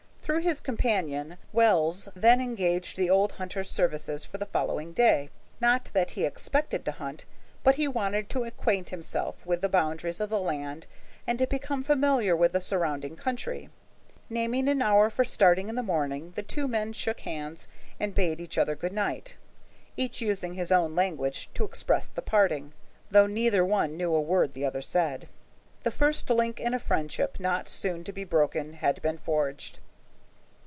Through his companion, Wells then engaged the old hunter's services for the following day; not that he expected to hunt, but he wanted to acquaint himself with the boundaries of the land and to become familiar with the surrounding country. Naming an hour for starting in the morning, the two men shook hands and bade each other good night, each using his own language to express the parting, though neither one knew a word the other said. The first link in a friendship not soon to be broken had been forged.